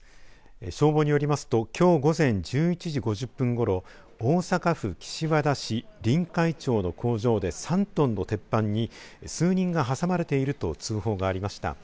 消防によりますときょう午前１１時５０分ごろ大阪府岸和田市臨海町の工場で３トンの鉄板に数人が挟まれていると通報がありました。